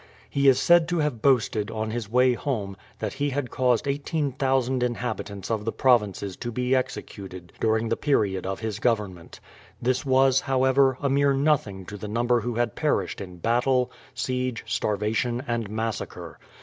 He is said to have boasted, on his way home, that he had caused 18,000 inhabitants of the provinces to be executed during the period of his government. This was, however, a mere nothing to the number who had perished in battle, siege, starvation, and massacre.